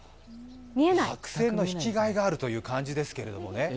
白線の引きがいがあるという感じですけれどもね。